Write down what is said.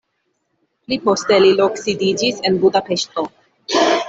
Pli poste li loksidiĝis en Budapeŝto.